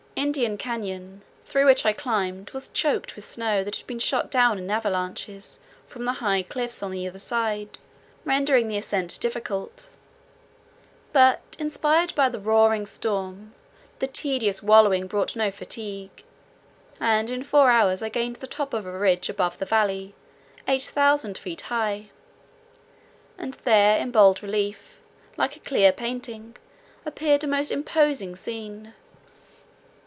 Indian Cañon, through which I climbed, was choked with snow that had been shot down in avalanches from the high cliffs on either side, rendering the ascent difficult; but inspired by the roaring storm, the tedious wallowing brought no fatigue, and in four hours I gained the top of a ridge above the valley, 8000 feet high. And there in bold relief, like a clear painting, appeared a most imposing scene.